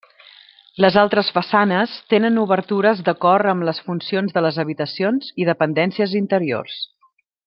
Les altres façanes tenen obertures d'acord amb les funcions de les habitacions i dependències interiors.